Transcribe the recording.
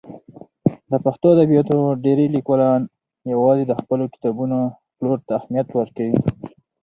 د پښتو ادبیاتو ډېری لیکوالان یوازې د خپلو کتابونو پلور ته اهمیت ورکوي.